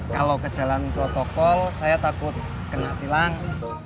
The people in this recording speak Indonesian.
kalau ke jalan protokol saya takut kena tilang